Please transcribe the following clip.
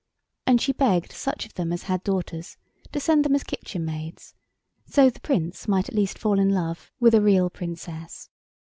And she begged such of them as had daughters to send them as kitchen maids, that so the Prince might at least fall in love with a real Princess.